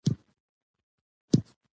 ترکیب د کلیمو اړیکه ښيي.